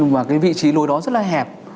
và cái vị trí lối đó rất là hẹp